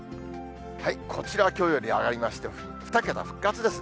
こちらはきょうより上がりまして、２桁復活ですね。